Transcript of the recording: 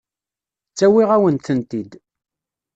Ttawiɣ-awen-tent-id.